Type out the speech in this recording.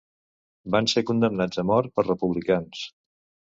Van ser condemnats a mort per republicans.